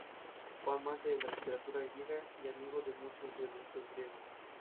Si fuera esta primera latitud, coincidiría prácticamente con el actual emplazamiento de Corumbá.